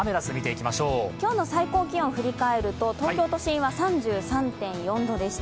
今日の最高気温を振り返ると、東京都心は３３．４度でした。